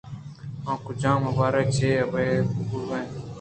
آ کجام حبر ءَ چہ ابکہ بوئگ ءَ اَت